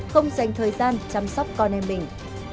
không dành thời gian chăm sóc con em mình